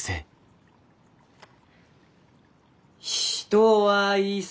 「人はいさ」。